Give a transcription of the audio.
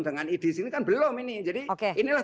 dengan idc ini kan belum ini jadi inilah